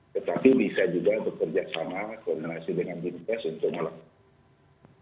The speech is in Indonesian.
tetapi bisa juga bekerja sama koordinasi dengan dinkes untuk melakukan